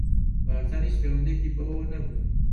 بارزان هیچ پەیوەندییەکی بەوەوە نەبوو.